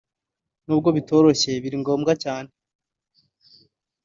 nubwo bitoroshye biri ngombwa cyane